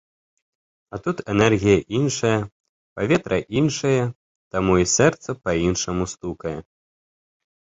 А тут энергія іншая, паветра іншае, таму і сэрца па-іншаму стукае.